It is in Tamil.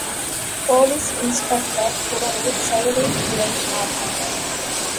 போலீஸ் இன்ஸ்பெக்டர் உடனே செயலில் இறங்கினார்.